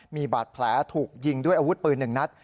มีบาดแผลถูกยิงด้วยอาวุธปืน๑นัด